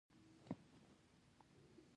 خپلې ژبې ته خدمت کول پر هیچا احسان نه دی.